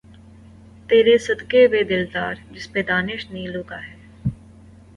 ''تیرے صدقے وے دلدارا‘‘ جس پہ ڈانس نیلو کا ہے۔